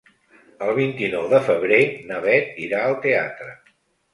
El vint-i-nou de febrer na Beth irà al teatre.